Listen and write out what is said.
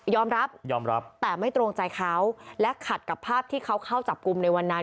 ยอมรับยอมรับแต่ไม่ตรงใจเขาและขัดกับภาพที่เขาเข้าจับกลุ่มในวันนั้น